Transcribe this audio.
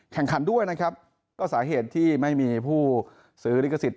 แข่งขันด้วยนะครับก็สาเหตุที่ไม่มีผู้ซื้อลิขสิทธ